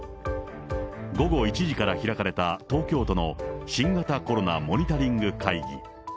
午後１時から開かれた東京都の新型コロナモニタリング会議。